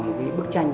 một cái bức tranh